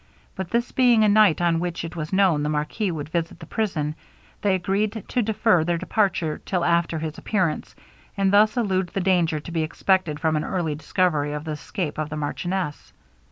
But this being a night on which it was known the marquis would visit the prison, they agreed to defer their departure till after his appearance, and thus elude the danger to be expected from an early discovery of the escape of the marchioness.